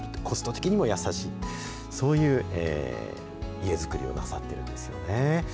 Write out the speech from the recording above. コスト的にも優しいって、そういう家造りをなさってるんですよね。